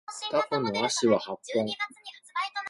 タコの足は八本